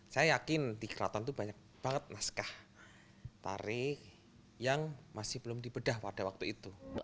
saya yakin di kelaton itu banyak banget naskah tari yang masih belum dibedah pada waktu itu